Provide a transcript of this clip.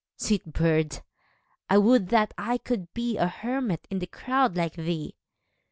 a (89) Sweet bird ! I would that I could be A hermit in the crowd like thee